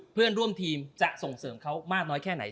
เพื่อนร่วมทีมจะส่งเสริมเขามากน้อยแค่ไหน